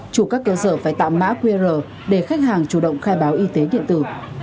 chủ các cơ sở phải tạm mã qr để khách hàng chủ động khai báo y tế điện tử